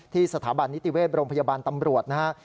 สถาบันนิติเวชโรงพยาบาลตำรวจนะครับ